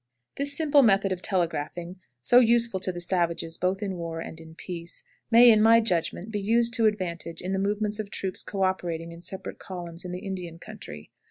This simple method of telegraphing, so useful to the savages both in war and in peace, may, in my judgment, be used to advantage in the movements of troops co operating in separate columns in the Indian country.